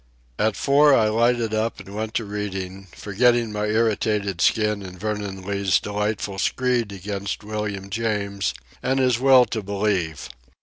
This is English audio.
At four I lighted up and went to reading, forgetting my irritated skin in Vernon Lee's delightful screed against William James, and his "will to believe."